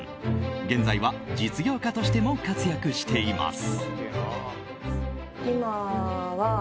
現在は実業家としても活躍しています。